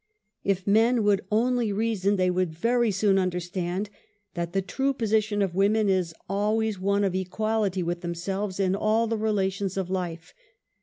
If men would only reason, tliey would very soon understand that the true position of women is al ways one of equality with themselves in all the rela tions of life.